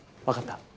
わかった。